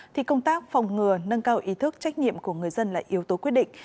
thì công tác phòng ngừa nâng cao ý thức trách nhiệm của người dân là yếu tố quyết định